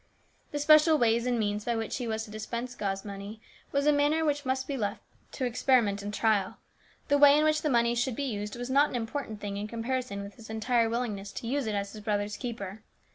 The special ways and means by which he was to dispense God's money was a matter which must be left to experiment and trial. The way in which the money should be used was not an important thing in comparison with his entire willingness to use it as his brother's keeper.